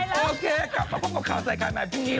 ครับไปแล้วโอเคครับมาพบกับเขาใส่คลายแม็กซ์พรุ่งนี้